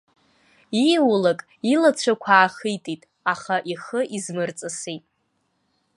Ииулак илацәақәа аахитит, аха ихы измырҵысит.